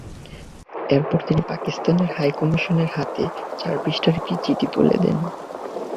এরপর তিনি পাকিস্তানের হাইকমিশনারের হাতে চার পৃষ্ঠার একটি চিঠি তুলে দেন।